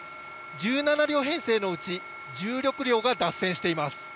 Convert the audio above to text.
１７両編成のうち１６両が脱線しています。